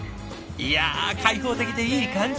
いや開放的でいい感じ！